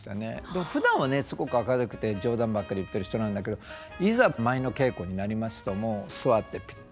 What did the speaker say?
でもふだんはねすごく明るくて冗談ばっかり言ってる人なんだけどいざ舞の稽古になりますともう座ってピッ。